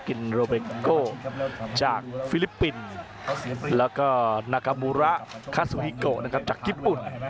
กินโรเบโก้จากฟิลิปปินส์แล้วก็นากามูระคาซูฮิโกนะครับจากญี่ปุ่น